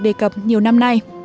đề cập nhiều năm nay